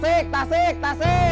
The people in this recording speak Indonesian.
salam salam salam